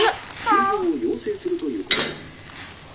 「休業を要請するということです。